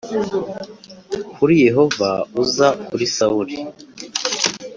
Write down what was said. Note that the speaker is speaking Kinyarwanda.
kuri Yehova uza kuri Sawuli